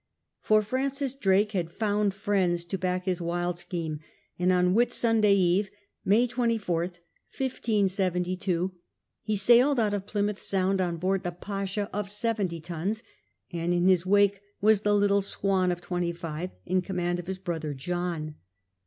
For Francis Drake had found friends to back his wild scheme, and on Whitsunday eve, May 24th, 1572, he sailed out of Plymouth Sound on board the Pashay of seventy tons, and in his wake was the little Swan^ of twenty five, in commaiid of his brother John.